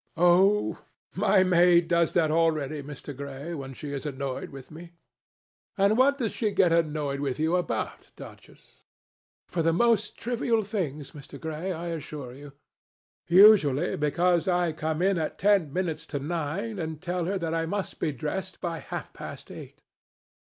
"Oh! my maid does that already, Mr. Gray, when she is annoyed with me." "And what does she get annoyed with you about, Duchess?" "For the most trivial things, Mr. Gray, I assure you. Usually because I come in at ten minutes to nine and tell her that I must be dressed by half past eight."